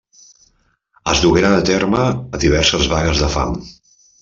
Es dugueren a terme diverses vagues de fam.